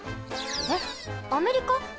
えっアメリカ？